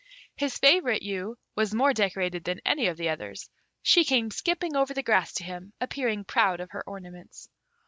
His favourite ewe was more decorated than any of the others. She came skipping over the grass to him, appearing proud of her ornaments.